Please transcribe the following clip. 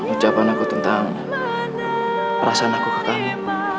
ucapan aku tentang perasaan aku ke kami